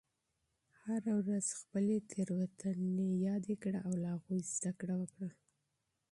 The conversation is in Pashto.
هره ورځ خپلې تیروتنې تحلیل کړه او له هغوی زده کړه وکړه.